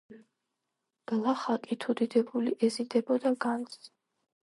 გლახაკი თუ დიდებული ეზიდებოდა განძს,.